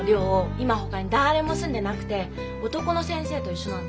今ほかにだれも住んでなくて男の先生と一緒なんだって。